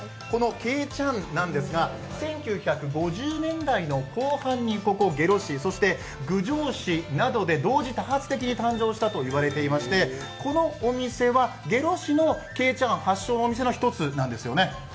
けいちゃんは、１９５０年代の後半にここ下呂市、そして郡上市などで同時多発的に誕生したと言われていまして、このお店は下呂市のけいちゃん発祥のお店の一つなんですね？